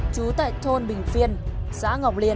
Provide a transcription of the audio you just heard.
chú tại thôn bình phiên xã ngọc liên